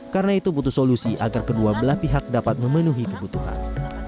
karena itu butuh solusi agar kedua belah pihak dapat memenuhi kebutuhan